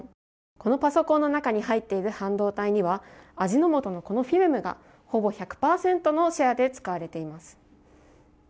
このパソコンの中に入っている半導体には味の素のこのフィルムがほぼ１００％のシェアで使われています。